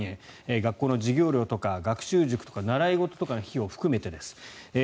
学校の授業料とか学習塾とか習い事の費用を含めてです。